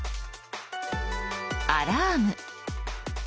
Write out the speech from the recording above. アラーム。